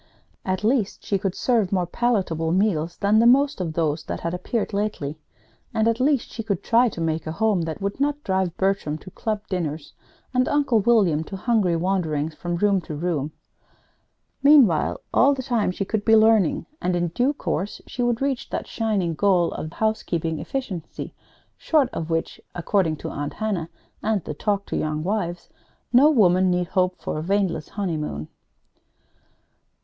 At least she could serve more palatable meals than the most of those that had appeared lately; and at least she could try to make a home that would not drive Bertram to club dinners, and Uncle William to hungry wanderings from room to room. Meanwhile, all the time, she could be learning, and in due course she would reach that shining goal of Housekeeping Efficiency, short of which according to Aunt Hannah and the "Talk to Young Wives" no woman need hope for a waneless honeymoon.